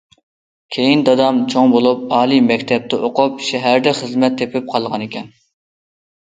كېيىن دادام چوڭ بولۇپ، ئالىي مەكتەپتە ئوقۇپ، شەھەردە خىزمەت تېپىپ قالغانىكەن.